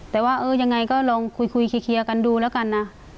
แต่ว่าเออยังไงก็ลองคุยคุยเคียงเคียงกันดูแล้วกันน่ะ